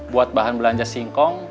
buat bahan belanja singkong